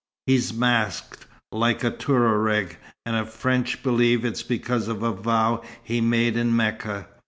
He's masked, like a Touareg, and the French believe it's because of a vow he made in Mecca.